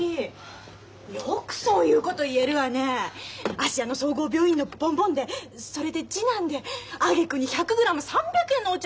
芦屋の総合病院のボンボンでそれで次男であげくに１００グラム３００円のお茶